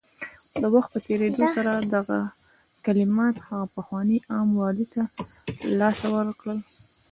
د وخت په تېرېدو سره دغه کلماتو هغه پخوانی عام والی له لاسه ورکړ